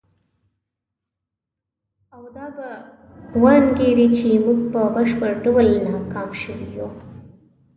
او دا به وانګیري چې موږ په بشپړ ډول ناکام شوي یو.